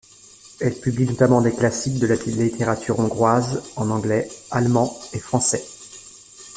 Elle publie notamment des classiques de la littérature hongroise en anglais, allemand et français.